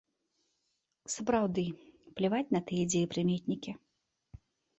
Сапраўды, пляваць на тыя дзеепрыметнікі.